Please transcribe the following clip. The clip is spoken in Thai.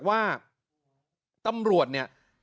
สุดท้ายตำรวจสระบุรีช่วยสกัดจับหน่อย